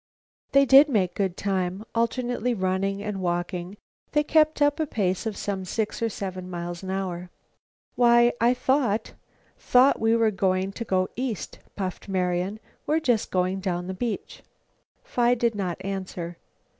They did make good time. Alternately running and walking, they kept up a pace of some six or seven miles an hour. "Why, I thought thought we were going to go east," puffed Marian. "We're just going down the beach." Phi did not answer.